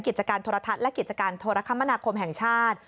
กิจการทฤษฎะและกิจการทฤษภาคมนาคมแห่งชาติ